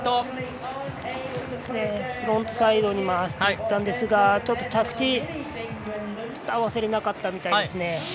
フロントサイドに回していったんですがちょっと、着地合わせれなかったみたいですね。